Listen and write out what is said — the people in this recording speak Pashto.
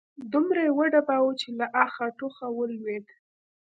دومره يې وډباوه چې له اخه، ټوخه ولوېد